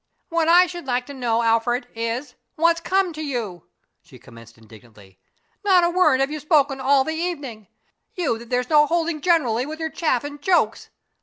"What I should like to know, Alfred, is what's come to you?" she commenced indignantly. "Not a word have you spoken all the evening you that there's no holding generally with your chaff and jokes.